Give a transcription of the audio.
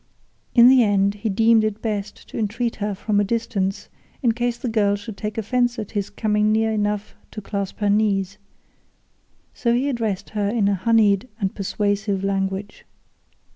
In the end he deemed it best to entreat her from a distance in case the girl should take offence at his coming near enough to clasp her knees, so he addressed her in honeyed and persuasive language.